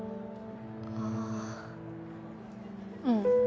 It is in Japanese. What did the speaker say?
ああうん。